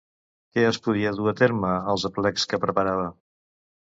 Què es podia dur a terme als aplecs que preparava?